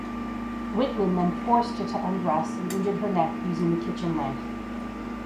Wittmann then forced her to undress and injured her neck using the kitchen knife.